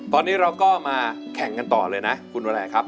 ตอนนี้เราก็มาแข่งกันต่อเลยนะคุณเวลาครับ